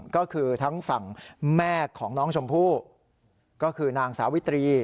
ก็คือทั้งฝั่งแม่ของน้องชมพู่ก็คือนางสาวิตรี